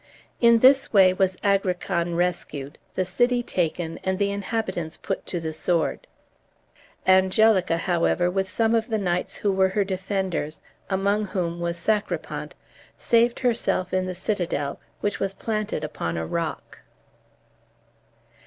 In this way was Agrican rescued, the city taken, and the inhabitants put to the sword. Angelica, however, with some of the knights who were her defenders, among whom was Sacripant, saved herself in the citadel, which was planted upon a rock.